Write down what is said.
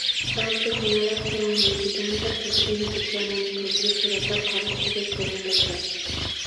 Balki xonalar qorongʻiligidandir, Katerina Petrovnaning koʻziga suratlar qora suvday koʻrina boshladi.